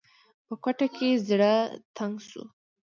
په کوټه کې زړه تنګ شو.